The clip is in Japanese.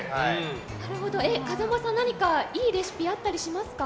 風間さん、何かいいレシピあったりしますか？